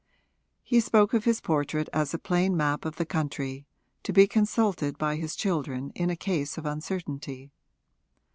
He spoke of his portrait as a plain map of the country, to be consulted by his children in a case of uncertainty.